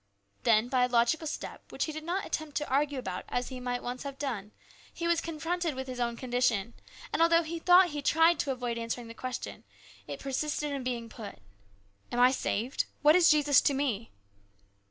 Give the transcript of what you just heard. Then, by a logical step, which he did not attempt to argue about as he might once have done, he was confronted with his own condition, and although he thought he tried to avoid answering the question, it persisted in being put :" Am I saved ? What is Jesus to me